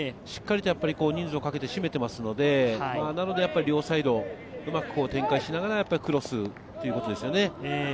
しっかりと人数をかけて占めていますので、両サイド、うまく展開しながら、クロスということですね。